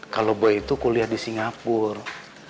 kalau boy itu kuliah di singapura